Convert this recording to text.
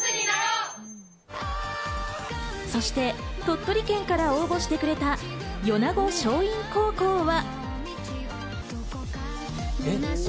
そして鳥取県から応募してくれた米子松蔭高校は。